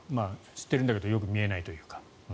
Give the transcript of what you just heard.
知っているんだけどよく見えないというか。